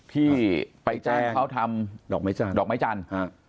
ที่ไปแจ้งเขาทำดอกไม้จันทร์